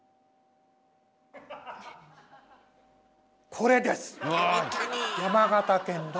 これです。